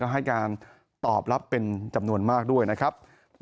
ให้การตอบรับเป็นจำนวนมากด้วยนะครับ